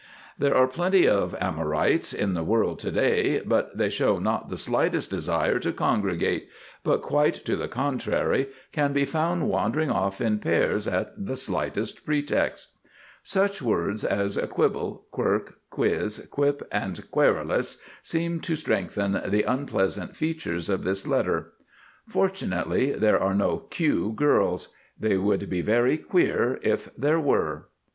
There are plenty of Amourites in the world to day, but they show not the slightest desire to congregate, but, quite to the contrary, can be found wandering off in pairs at the slightest pretext. Such words as Quibble, Quirk, Quiz, Quip, and Querulous seem to strengthen the unpleasant features of this letter. Fortunately there are no Q girls; they would be very Queer if there were.